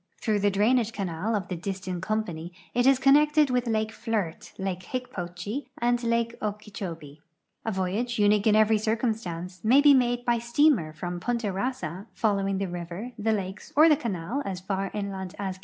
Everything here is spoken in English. Through the drainage canal of the Di.sston Company it is con nected with lake Flirt, lake Hicpochee, and lake Okeechobee. A voyage, uni<pie in every circumstance, may be made by steamer from Punta Kassa, following the river, the lakes, or the canal as far inland as Ki.